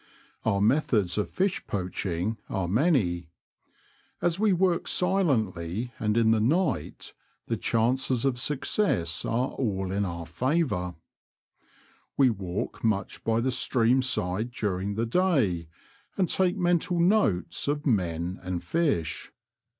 Our methods of fish poaching are many. As we work silently and in the night, the chances of success are all in our favour. We walk much by the stream side during the day, and take mental notes of men and fish.